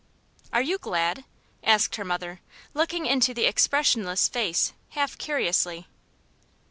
"Are you glad?" asked her mother, looking into the expressionless face half curiously.